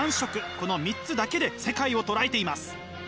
この３つだけで世界をとらえています。